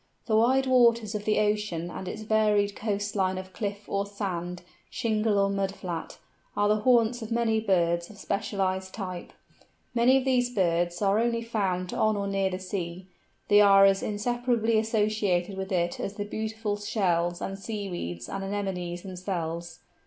The wide waters of the ocean and its varied coast line of cliff or sand, shingle or mud flat, are the haunts of many birds of specialised type. Many of these birds are only found on or near the sea; they are as inseparably associated with it as the beautiful shells and seaweeds and anemones themselves.